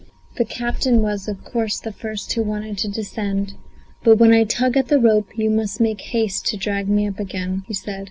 The captain was, of course, the first who wanted to descend; "But when I tug at the rope you must make haste to drag me up again," he said.